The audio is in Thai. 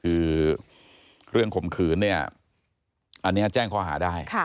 คือเรื่องข่มขืนเนี่ยอันนี้แจ้งข้อหาได้